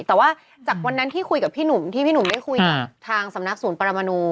แต่ว่าจากวันนั้นที่พี่หนุ่มได้คุยกับทางสำนักศูนย์ปรมาณู